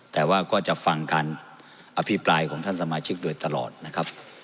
แต่ว่าก็จะฟังการอภิปรายของท่านสมาชิกโดยตลอดนะครับ